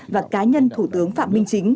và cá nhân thủ tướng phạm minh chính